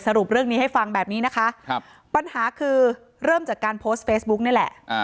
เรื่องนี้ให้ฟังแบบนี้นะคะปัญหาคือเริ่มจากการโพสต์เฟซบุ๊กนี่แหละ